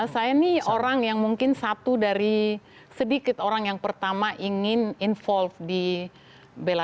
saya nih orang yang mungkin satu dari sedikit orang yang pertama ingin involve di bela